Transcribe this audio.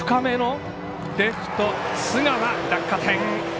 レフト須川、落下点。